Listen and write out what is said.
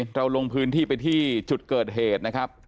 เราลงพื้นที่ไปที่จุดเกิดเหตุนะครับ